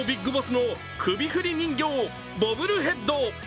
ＢＩＧＢＯＳＳの首振り人形ボブルヘッド。